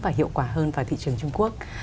và hiệu quả hơn vào thị trường trung quốc